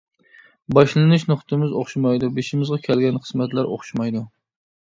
باشلىنىش نۇقتىمىز ئوخشىمايدۇ، بېشىمىزغا كەلگەن قىسمەتلەر ئوخشىمايدۇ.